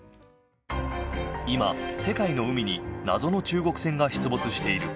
今、世界の海に謎の中国船が出没している。